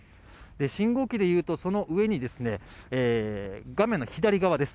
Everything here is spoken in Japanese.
信号機でいうと、その上に画面の左側です。